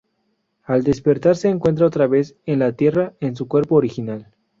Al despertar se encuentra otra vez en la Tierra en su cuerpo original.